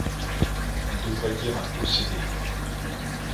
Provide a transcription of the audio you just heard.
On devrait dire un possédé.